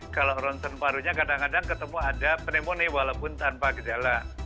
kalau ronsen parunya kadang kadang ketemu ada pneumonia walaupun tanpa gejala